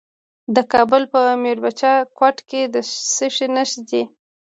د کابل په میربچه کوټ کې د څه شي نښې دي؟